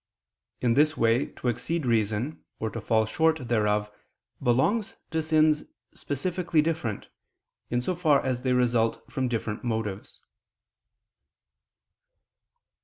In this way to exceed reason or to fall short thereof belongs to sins specifically different, in so far as they result from different motives.